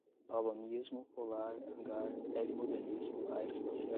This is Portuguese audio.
balonismo, polar, hangar, helimodelismo, aeroespacial